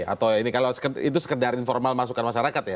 atau ini kalau itu sekedar informal masukan masyarakat ya